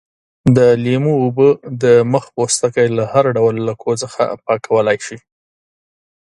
د لیمو اوبه د مخ پوستکی له هر ډول لکو څخه پاکولای شي.